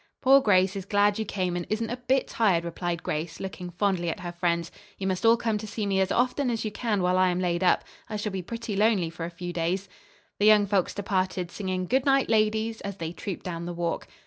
"Poor Grace is glad you came, and isn't a bit tired," replied Grace, looking fondly at her friends. "You must all come to see me as often as you can while I am laid up. I shall be pretty lonely for a few days." The young folks departed, singing "Good Night, Ladies" as they trooped down the walk.